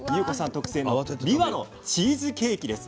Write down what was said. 特製のびわのチーズケーキです。